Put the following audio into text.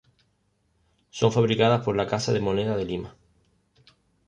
Son fabricadas por la Casa de Moneda de Lima.